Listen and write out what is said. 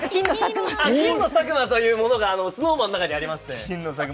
金の佐久間というのがＳｎｏｗＭａｎの中にありまして。